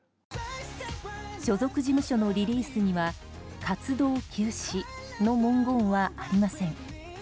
所属事務所のリリースには活動休止の文言はありません。